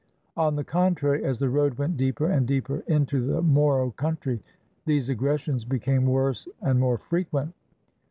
On the contrary, as the road went deeper and deeper into the Moro country, these aggressions be came worse and more frequent.